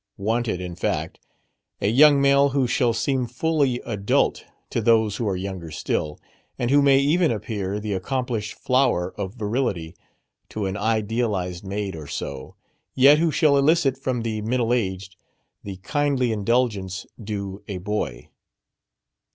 Wanted, in fact, a young male who shall seem fully adult to those who are younger still, and who may even appear the accomplished flower of virility to an idealizing maid or so, yet who shall elicit from the middle aged the kindly indulgence due a boy.